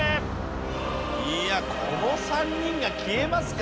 いやこの３人が消えますか。